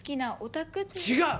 違う！